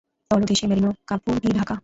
তলদেশ মেরিনো কাপড় দিয়ে ঢাকা।